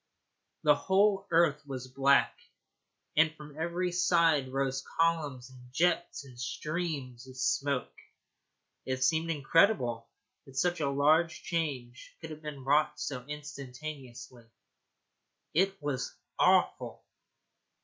The whole earth was black, and from every side rose columns and jets and streams of smoke. It seemed incredible that such a change could have been wrought so instantaneously. It was awful.